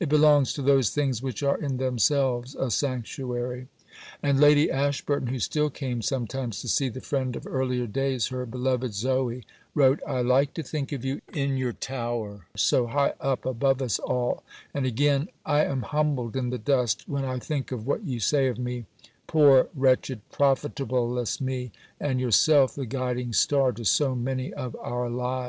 It belongs to those things which are in themselves a sanctuary." And Lady Ashburton, who still came sometimes to see the friend of earlier days, her "Beloved Zoë," wrote: "I like to think of you in your tower so high up above us all"; and, again, "I am humbled in the dust when I think of what you say of me poor, wretched, profitableless me, and yourself the guiding star to so many of our lives."